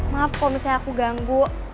maaf kalau misalnya aku ganggu